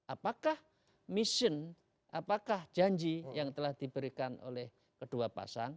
apakah mission apakah janji yang telah diberikan oleh kedua pasang